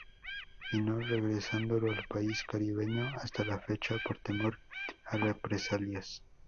Y no regresando al país caribeño hasta la fecha por temor a represalias.